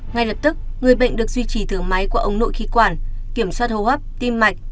ngay lập tức người bệnh được duy trì thử máy qua ống nội khí quản kiểm soát hô hấp tim mạch